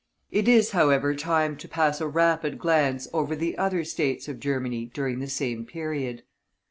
It is, however, time to pass a rapid glance over the other States of Germany during the same period.